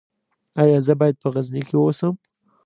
ایا زه باید په غزني کې اوسم؟